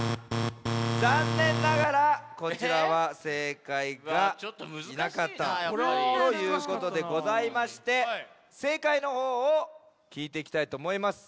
ざんねんながらこちらはせいかいがいなかったということでございましてせいかいのほうをきいていきたいとおもいます。